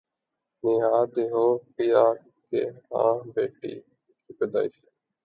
نیہا دھوپیا کے ہاں بیٹی کی پیدائش